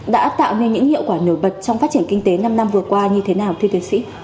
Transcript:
đã tạo nên những hiệu quả nổi bật trong phát triển kinh tế năm năm vừa qua như thế nào thưa tiến sĩ